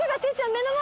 目の前。